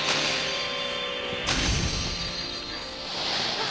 あっ！